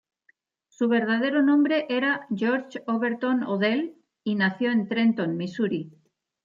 Su verdadero nombre era George Overton Odell, y nació en Trenton, Misuri.